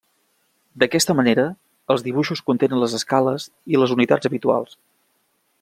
D'aquesta manera, els dibuixos contenen les escales i les unitats habituals.